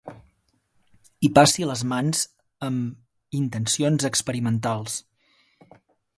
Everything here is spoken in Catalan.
Hi passi les mans amb intencions experimentals.